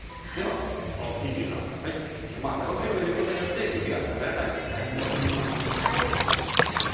生クリームを入れることによって生地が滑らかになると思います。